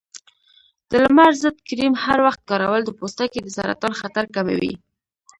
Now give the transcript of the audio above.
د لمر ضد کریم هر وخت کارول د پوستکي د سرطان خطر کموي.